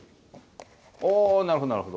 あなるほどなるほど。